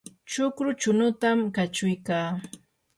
chukru chunutam kachuykaa.